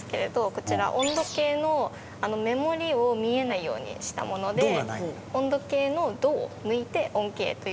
こちら温度計の目盛りを見えないようにしたもので温度計の「度」を抜いて温計という。